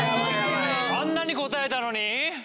あんなに答えたのに！？